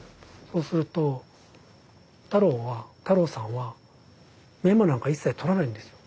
そうすると太郎さんはメモなんか一切取らないんですよ。